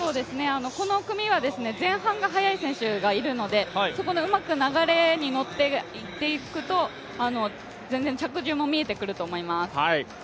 この組は前半が速い選手がいるので、そこのうまく流れに乗っていくと、全然着順も見えてくると思います。